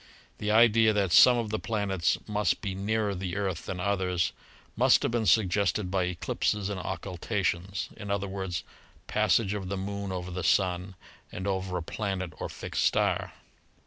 The idea that some of the planets must be nearer the Earth than others must have been suggested by eclipses and occultations — i.e., passage of the Moon over the Sun and over a planet or fixed star.